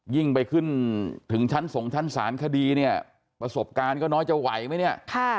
ยิ่งไปขึ้นถึงชั้นส่งชั้นศาลคดีเนี่ยประสบการณ์ก็น้อยจะไหวไหมเนี่ย